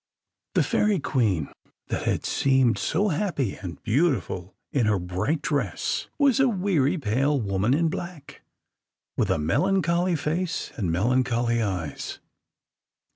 [Illustration: Page 293] The Fairy Queen, that had seemed so happy and beautiful in her bright dress, was a weary, pale woman in black, with a melancholy face and melancholy eyes.